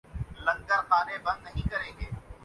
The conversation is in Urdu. اب جو لاہور چھوڑ کے آئے ہیں، مزدوری کی غرض سے تین